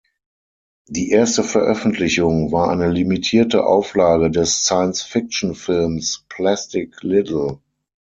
Die erste Veröffentlichung war eine limitierte Auflage des Science-Fiction-Films Plastic Little.